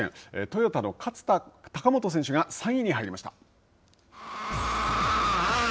トヨタの勝田貴元選手が３位に入りました。